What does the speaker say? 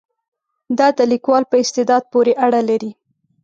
دا د لیکوال په استعداد پورې اړه لري.